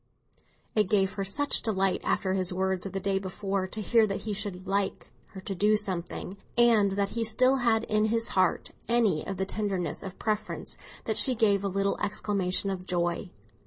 It gave her such delight, after his words of the day before, to hear that he should "like" her to do something, and that he still had in his heart any of the tenderness of preference, that she gave a little exclamation of joy.